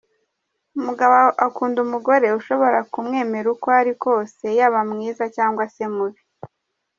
Umugabo akunda umugore ushobora kumwemera uko ari kose yaba mwiza cyangwa se mubi.